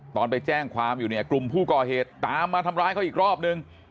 ตอนไปแจ้งความอยู่เนี่ยกลุ่มผู้ก่อเหตุตามมาทำร้ายเขาอีกรอบนึง